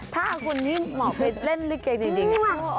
ถ้าคนนี้เหมาะเพศเล่นเหรอเก่งจริง